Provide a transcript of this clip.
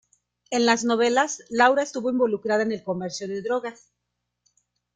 En las novelas, Laura estuvo involucrada en el comercio de drogas.